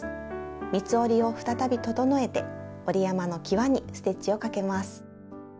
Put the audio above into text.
三つ折りを再び整えて折り山のきわにステッチをかけます。